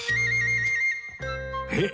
えっ？